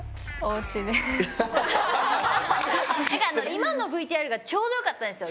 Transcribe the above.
今のＶＴＲがちょうどよかったんですよ。